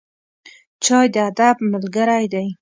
چای د ادب ملګری دی.